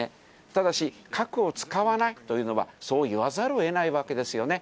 ただし、核を使わないというのは、そう言わざるをえないわけですよね。